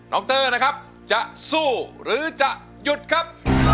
เตอร์นะครับจะสู้หรือจะหยุดครับ